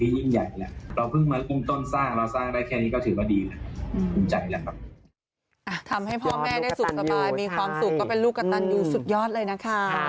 ทำให้พ่อแม่ได้สุขสบายมีความสุขก็เป็นลูกกระตันยูสุดยอดเลยนะคะ